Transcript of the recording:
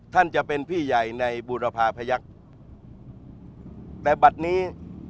ท่านจะเป็นพี่ใหญ่ในบูรพาพยักษ์แต่บัตรนี้